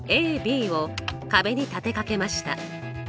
ＡＢを壁に立てかけました。